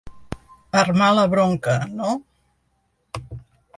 Armar la bronca, no?